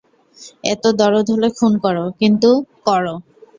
এতো দরদ হলে খুন করো, কিন্তু কর!